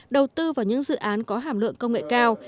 đầu tư vào những dự án có hàm lượng công nghệ cao